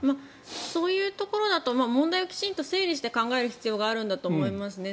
そういうところだと問題をきちんと整理して考える必要があるんだと思いますね。